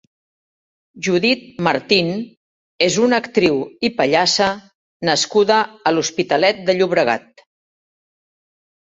Judit Martín és una actriu i pallassa nascuda a l'Hospitalet de Llobregat.